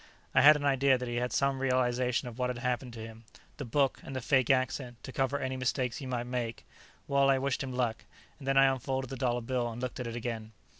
I had an idea that he had some realization of what had happened to him the book, and the fake accent, to cover any mistakes he might make. Well, I wished him luck, and then I unfolded the dollar bill and looked at it again.